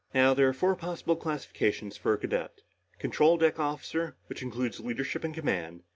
"Now, there are four possible classifications for a cadet. Control deck officer, which includes leadership and command.